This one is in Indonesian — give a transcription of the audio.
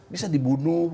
bisa di bunuh